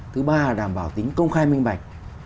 thứ ba là đảm bảo tính công khai minh bạch